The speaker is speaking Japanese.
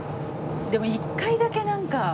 でも一回だけなんか。